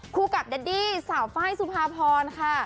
คู่กับแดดดี้สาวไฟล์สุภาพรค่ะ